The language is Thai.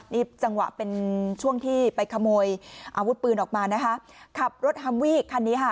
นี่จังหวะเป็นช่วงที่ไปขโมยอาวุธปืนออกมานะคะขับรถฮัมวี่คันนี้ค่ะ